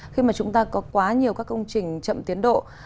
khi mà chúng ta có quá nhiều các công trình chậm tiến độ